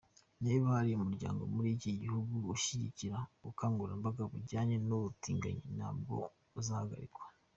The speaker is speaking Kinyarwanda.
Niba hari umuryango muri iki gihugu ushyigikira ubukangurambaga bujyanye n’ubutinganyi, nawo uzahagarikwa.